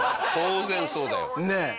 当然そうだよ。